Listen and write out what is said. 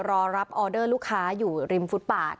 รอรับออเดอร์ลูกค้าอยู่ริมฟุตปาด